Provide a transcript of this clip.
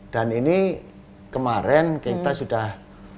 dan ini kemarin kita sudah